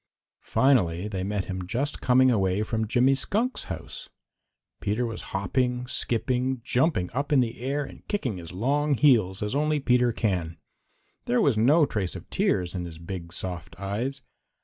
Finally they met him just coming away from Jimmy Skunk's house. Peter was hopping, skipping, jumping up in the air and kicking his long heels as only Peter can. There was no trace of tears in his big, soft eyes.